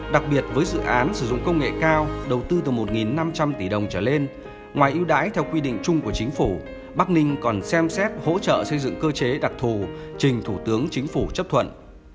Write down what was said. đặc biệt với dự án sử dụng công nghệ cao đầu tư từ một năm trăm linh tỷ đồng trở lên ngoài yêu đái theo quy định chung của chính phủ bắc ninh còn xem xét hỗ trợ xây dựng cơ chế đặc thù trình thủ tướng chính phủ chấp thuận